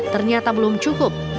ternyata belum cukup